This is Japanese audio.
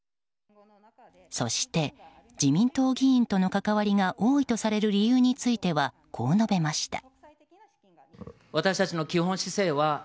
そして、自民党議員との関わりが多いとされる理由についてはこう述べました。